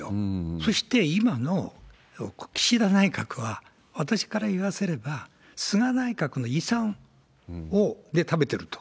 そして、今の岸田内閣は、私から言わせれば、菅内閣の遺産で食べてると。